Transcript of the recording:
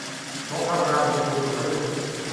Don’t run around the middle of the room!